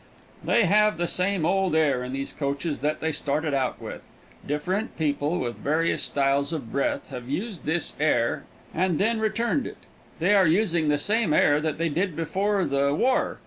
They have the same old air in these coaches that they started out with. Different people, with various styles of breath, have used this air and then returned it. They are using the same air that they did before the war.